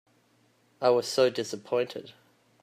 I was so dissapointed.